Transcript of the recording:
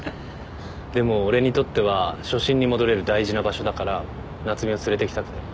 でも俺にとっては初心に戻れる大事な場所だから夏海を連れてきたくて。